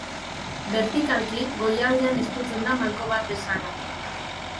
Bertikalki, goialdean estutzen da malko bat bezala.